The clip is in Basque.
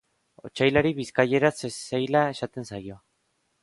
Otsailari bizkaieraz zezeila esaten zaio.